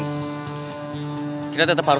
tunggu kita akan kembali